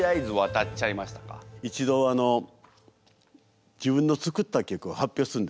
一度自分の作った曲を発表したんです。